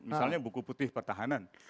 misalnya buku putih pertahanan